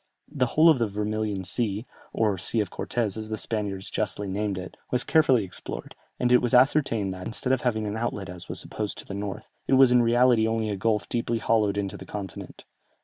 The whole of the Vermilion Sea, or Sea of Cortès, as the Spaniards justly named it, was carefully explored, and it was ascertained that, instead of having an outlet as was supposed to the north, it was in reality only a gulf deeply hollowed into the continent.